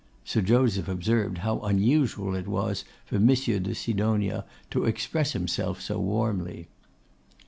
Sir Joseph observed how unusual it was for Monsieur de Sidonia to express himself so warmly.